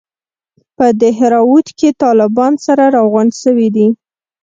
په دهراوت کښې طالبان سره راغونډ سوي دي.